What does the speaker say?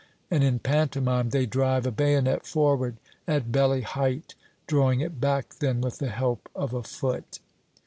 And in pantomime they drive a bayonet forward, at belly height, drawing it back then with the help of a foot.